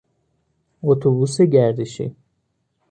اتوبوس گردشی